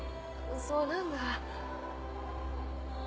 そうなんだ。